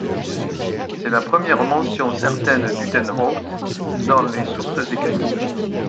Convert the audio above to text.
C'est la première mention certaine d'Udenhout dans les sources écrites.